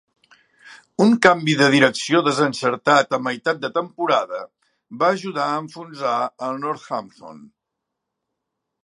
Un canvi de direcció desencertat a meitat de temporada va ajudar a enfonsar el Northampton.